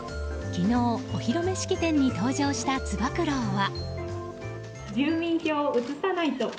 昨日、お披露目式典に登場したつば九郎は。